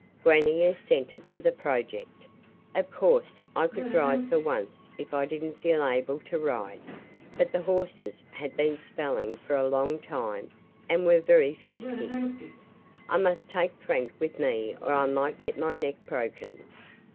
Grannie assented to the project. Of course I could drive for once if I didn't feel able to ride, but the horses had been spelling for a long time and were very frisky. I must take Frank with me or I might get my neck broken.